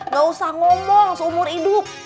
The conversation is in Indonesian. gak usah ngomong seumur hidup